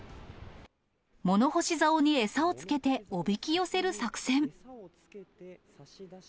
物干しざおに餌をつけておびき寄せる作戦。